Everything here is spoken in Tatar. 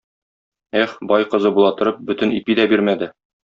Эх, бай кызы була торып, бөтен ипи дә бирмәде